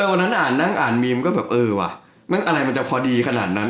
วันนั้นอ่านนั่งอ่านมีมก็แบบเออว่ะอะไรมันจะพอดีขนาดนั้น